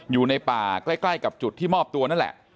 อยู่ในป่าใกล้กับจุดที่มอบตัวนั่นแหละ